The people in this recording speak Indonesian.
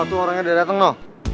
udah dateng no